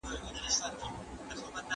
شمېره مې لکه چې غلطه کړې؟